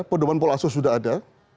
pendorongan pola asur sudah ada